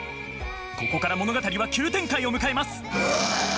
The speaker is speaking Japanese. ここから物語は急展開を迎えます。